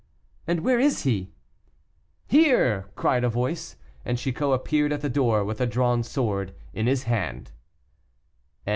"And where is he?" "Here!" cried a voice, and Chicot appeared at the door with a drawn sword in his hand.